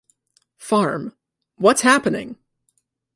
Farm", "What's Happening!!